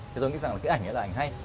thì tôi nghĩ rằng cái ảnh này là ảnh hay